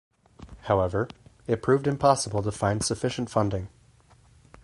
However, it proved impossible to find sufficient funding.